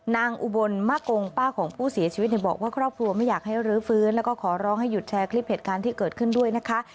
อุบลมะกงป้าของผู้เสียชีวิตบอกว่าครอบครัวไม่อยากให้รื้อฟื้นแล้วก็ขอร้องให้หยุดแชร์คลิปเหตุการณ์ที่เกิดขึ้นด้วยนะคะ